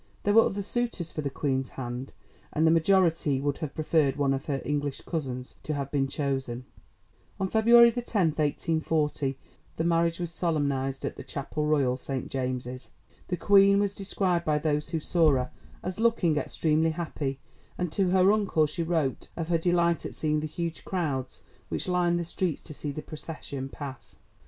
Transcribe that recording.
There were other suitors for the Queen's hand, and the majority would have preferred one of her English cousins to have been chosen. On February 10, 1840, the marriage was solemnized at the Chapel Royal, St James's. The Queen was described by those who saw her as looking extremely happy, and to her uncle she wrote of her delight at seeing the huge crowds which lined the streets to see the procession pass.